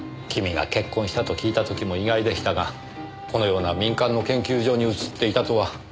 君が結婚したと聞いた時も意外でしたがこのような民間の研究所に移っていたとは。